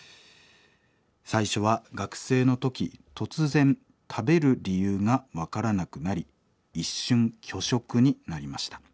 最初は学生の時突然食べる理由が分からなくなり一瞬拒食になりました。